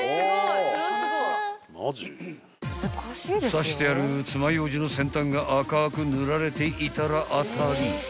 ［刺してあるつまようじの先端が赤く塗られていたら当たり］